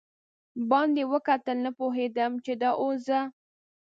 باندې وکتل، نه پوهېدم چې دا اوس زه.